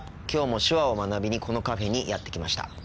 きょうも手話を学びにこのカフェにやって来ました。